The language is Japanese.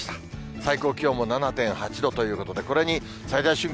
最高気温も７．８度ということで、これに最大瞬間